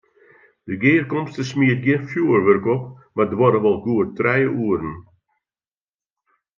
De gearkomste smiet gjin fjoerwurk op, mar duorre wol goed trije oeren.